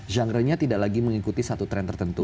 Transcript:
genre nya tidak lagi mengikuti satu tren tertentu